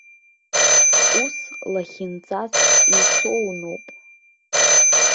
Ус лахьынҵас исоуноуп.